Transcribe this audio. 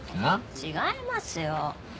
違いますよ。